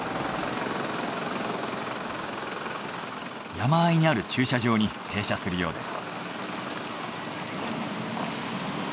山あいにある駐車場に停車するようです。